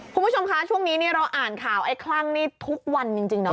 คุณผู้ชมคะช่วงนี้เราอ่านข่าวไอ้คลั่งนี่ทุกวันจริงเนาะ